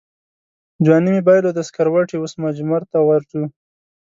ځواني مې بایلوده سکروټې اوس مجمرته ورځو